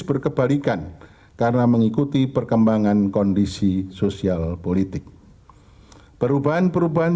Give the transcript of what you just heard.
berkebalikan karena mengikuti perkembangan kondisi sosial politik perubahan perubahan